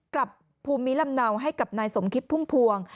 กลับภูมิลำเนาให้กับนายสมคิตพุ่มพวง